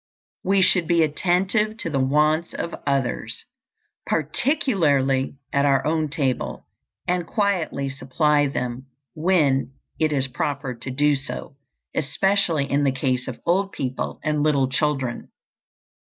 We should be attentive to the wants of others, particularly at our own table, and quietly supply them when it is proper to do so, especially in the case of old people and little children.